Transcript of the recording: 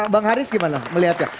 bang haris gimana melihatnya